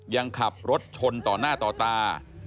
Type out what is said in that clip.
ยังขับรถชนต่อหน้าต่อตา